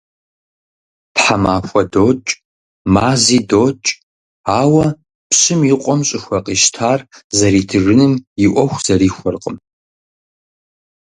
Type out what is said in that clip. Тхьэмахуэ докӀ, мази докӀ, ауэ пщым и къуэм щӀыхуэ къищтар зэритыжыным и Ӏуэху зэрихуэркъым.